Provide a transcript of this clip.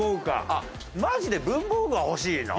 あっマジで文房具は欲しいな。